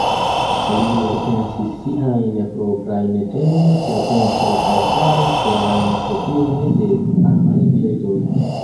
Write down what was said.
Li elpensis siajn proprajn temojn por pentri aŭ faris belajn kopiojn de famaj bildoj.